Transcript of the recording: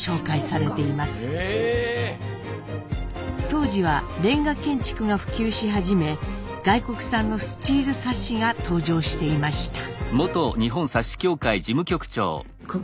当時は煉瓦建築が普及し始め外国産のスチールサッシが登場していました。